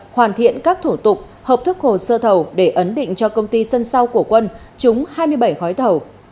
hoàn thiện các thủ tục hợp thức hồ sơ thầu để ấn định cho công ty sân sau của quân trúng hai mươi bảy gói thầu